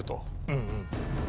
うんうん。